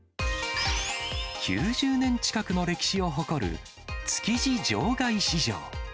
９０年近くの歴史を誇る築地場外市場。